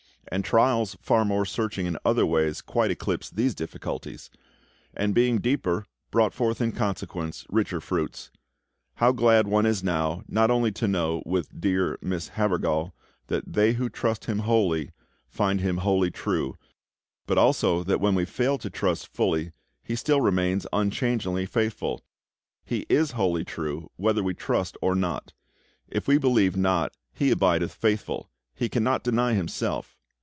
And trials far more searching in other ways quite eclipsed these difficulties; and being deeper, brought forth in consequence richer fruits. How glad one is now, not only to know, with dear Miss Havergal, that "They who trust Him wholly Find Him wholly true," but also that when we fail to trust fully He still remains unchangingly faithful. He is wholly true whether we trust or not. "If we believe not, He abideth faithful; He cannot deny Himself."